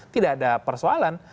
tidak ada persoalan